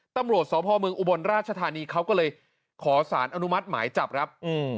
ตำรวจสพเมืองอุบลราชธานีเขาก็เลยขอสารอนุมัติหมายจับครับ